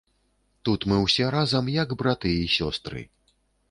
Тут мы ўсе разам як браты і сёстры.